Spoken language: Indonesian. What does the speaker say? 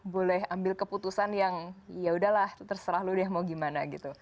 boleh ambil keputusan yang ya udahlah terserah lo deh mau gimana gitu